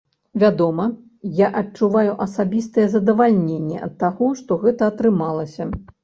Вядома, я адчуваю асабістае задавальненне ад таго, што гэта атрымалася.